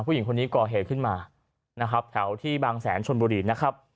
ผู้หญิงคนนี้ก่อเหตุขึ้นมานะครับแถวที่บางแสนชนบุรีนะครับ